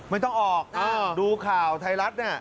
ไม่ต้องออกดูข่าวไทยรัฐเนี่ย